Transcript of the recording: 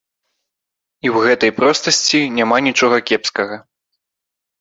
І ў гэтай простасці няма нічога кепскага.